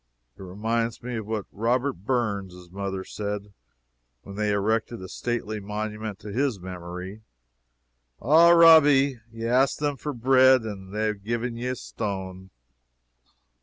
It reminds me of what Robert Burns' mother said when they erected a stately monument to his memory: "Ah, Robbie, ye asked them for bread and they hae gi'en ye a stane."